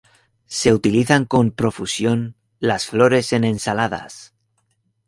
Se utilizan con profusión las flores en ensaladas.